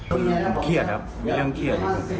ผมเครียดครับมีเรื่องเครียดครับ